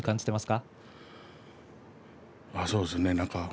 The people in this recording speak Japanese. そうですね。